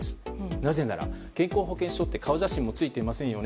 なぜなら、健康保険証って顔写真もついていませんよね。